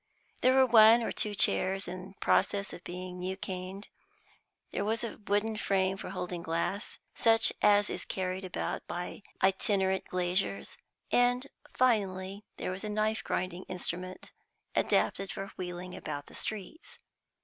There were one or two chairs in process of being new caned; there was a wooden frame for holding glass, such as is carried about by itinerant glaziers, and, finally, there was a knife grinding instrument, adapted for wheeling about the streets.